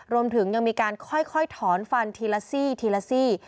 รวมถึงยังมีการค่อยถอนฟันทีละซี่ทีละซี่